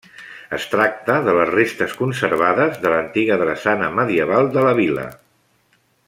Es tracta de les restes conservades de l'antiga drassana medieval de la vila.